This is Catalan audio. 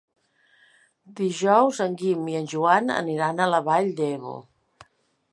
Dijous en Guim i en Joan aniran a la Vall d'Ebo.